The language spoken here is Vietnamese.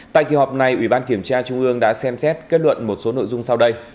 tại kỳ họp này ủy ban kiểm tra trung ương đã xem xét kết luận một số nội dung sau đây